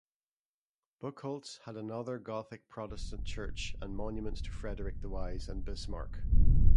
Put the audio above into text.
Buchholz had another Gothic Protestant church and monuments to Frederick the Wise and Bismarck.